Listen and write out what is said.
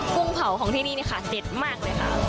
กุ้งเผาของที่นี่นี่ค่ะเด็ดมากเลยค่ะ